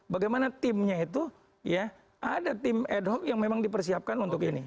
bagaimana timnya itu ya ada tim ad hoc yang memang dipersiapkan untuk ini